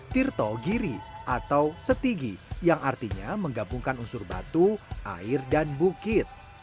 tirto giri atau setigi yang artinya menggabungkan unsur batu air dan bukit